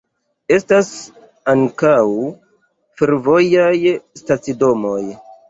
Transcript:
Estas ankaŭ fervojaj stacidomoj.